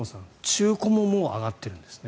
中古ももう上がってるんですね。